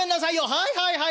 「はいはいはいはい。